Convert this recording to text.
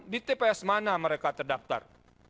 di tps mana mereka terdaftar